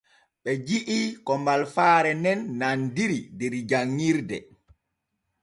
Ɓe ji’i ko malfaare nen nandiri der janɲirde.